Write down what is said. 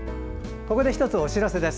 ここで１つお知らせです。